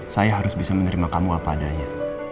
saya harus bisa menerima kamu apa adanya